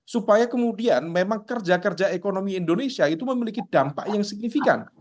supaya kemudian memang kerja kerja ekonomi indonesia itu memiliki dampak yang signifikan